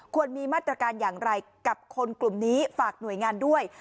มีมาตรการอย่างไรกับคนกลุ่มนี้ฝากหน่วยงานด้วย